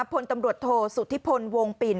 พลตำรวจโทษสุธิพลวงปิ่น